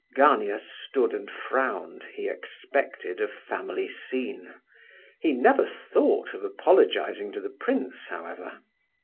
Gania stood and frowned, he expected a family scene. He never thought of apologizing to the prince, however.